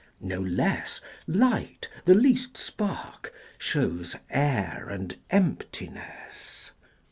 No less, Light, the least spark, shows air and emptiness.